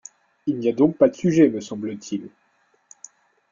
Il n’y a donc pas de sujet, me semble-t-il.